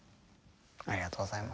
ありがとうございます。